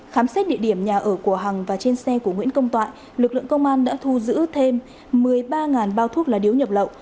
khám xét địa điểm nhà ở của hằng và trên xe của nguyễn công toại lực lượng công an đã thu giữ thêm một mươi ba bao thuốc lá điếu nhập lậu